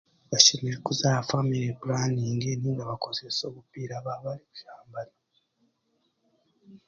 Bashemereire kuza aha famire puraningi nainga bakozese obupiira baaba barikushambana.